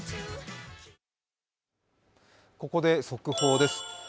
ここで速報です。